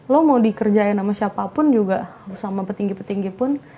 lo mau dikerjain sama siapapun juga sama petinggi petinggi pun